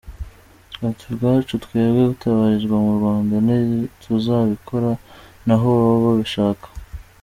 Ati “Ubwacu twebwe gutabarizwa mu Rwanda ntituzabikora, n’aho baba babishaka.